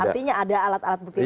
artinya ada alat alat bukti yang lain